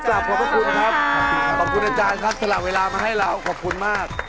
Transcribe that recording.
กลับขอบพระคุณครับขอบคุณอาจารย์ครับสละเวลามาให้เราขอบคุณมาก